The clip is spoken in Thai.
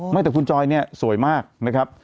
ไม่แต่คุณจอยเนี่ยสวยมากนะครับ